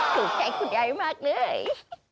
สุขใจคุณใหญ่มากเลย